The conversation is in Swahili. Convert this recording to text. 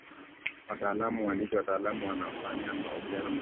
wataalamu waandishi wataalam wanafanya mahojihano mazuri sana